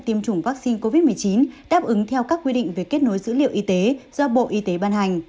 tiêm chủng vaccine covid một mươi chín đáp ứng theo các quy định về kết nối dữ liệu y tế do bộ y tế ban hành